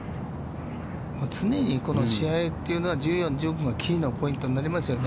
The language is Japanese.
常に試合というのは、１４、１５番、キーのポイントになりますよね。